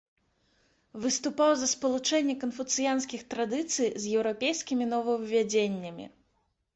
Выступаў за спалучэнне канфуцыянскіх традыцый з еўрапейскімі новаўвядзеннямі.